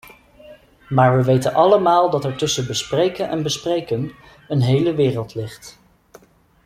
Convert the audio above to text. Maar we weten allemaal dat er tussen bespreken en bespreken een hele wereld ligt.